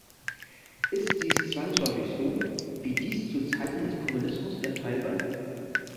Ist dies zwangsläufig so, wie dies zu Zeiten des Kommunismus der Fall war?